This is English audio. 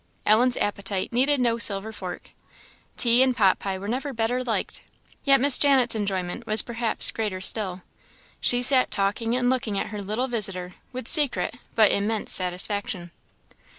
Ellen's appetite needed no silver fork. Tea and pot pie were never better liked; yet Miss Janet's enjoyment was perhaps greater still. She sat talking and looking at her little visitor with secret but immense satisfaction.